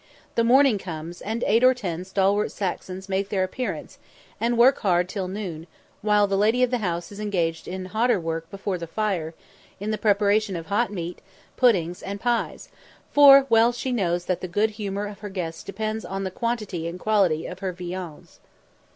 The morning comes, and eight or ten stalwart Saxons make their appearance, and work hard till noon, while the lady of the house is engaged in hotter work before the fire, in the preparation of hot meat, puddings, and pies; for well she knows that the good humour of her guests depends on the quantity and quality of her viands.